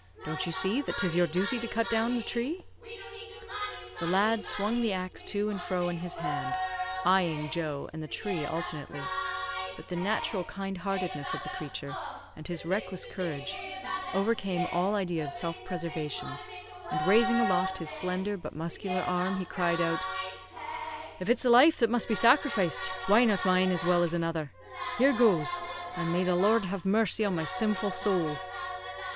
Don't you see that 'tis your duty to cut down the tree?" The lad swung the axe to and fro in his hand, eyeing Joe and the tree alternately; but the natural kind heartedness of the creature, and his reckless courage, overcame all idea of self preservation, and raising aloft his slender but muscular arm, he cried out, "If it's a life that must be sacrificed, why not mine as well as another? Here goes! and the Lord have mercy on my sinful sowl!"